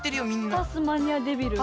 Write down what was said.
タスマニアデビル？